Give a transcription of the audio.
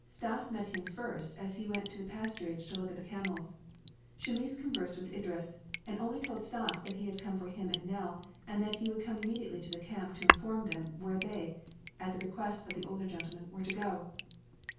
Stas met him first as he went to the pasturage to look at the camels. Chamis conversed with Idris, and only told Stas that he came for him and Nell and that he would come immediately to the camp to inform them where they, at the request of the older gentlemen, were to go.